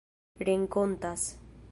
renkontas